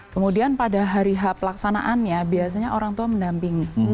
kemudian pada hari hapelaksanaannya biasanya orang tua mendampingi